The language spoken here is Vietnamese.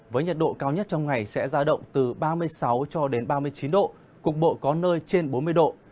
với nhiệt độ cao nhất trong ngày sẽ ra động từ ba mươi sáu cho đến ba mươi chín độ cục bộ có nơi trên bốn mươi độ